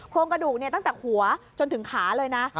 โครงกระดูกตั้งแต่หัวจนถึงขาเลยนะ